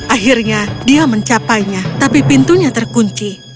akhirnya dia mencapainya tapi pintunya terkunci